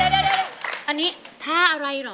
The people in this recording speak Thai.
เดี๋ยวนี้ถ้าอะไรหรอ